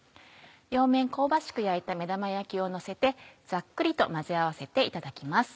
両面香ばしく焼いた目玉焼きをのせてざっくりと混ぜ合わせていただきます。